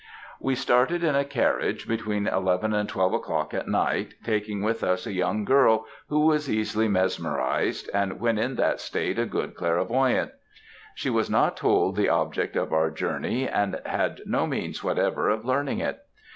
"We started in a carriage, between eleven and twelve o'clock at night, taking with us a young girl who was easily mesmerised, and when in that state a good clairvoyante. She was not told the object of our journey, and had no means whatever of learning it.